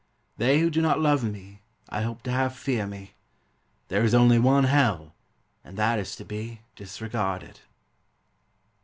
They who do not love me I hope to have fear me; There is only one hell, And that is to be disregarded.